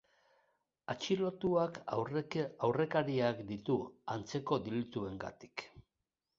Atxilotuak aurrekariak ditu, antzeko delituengatik.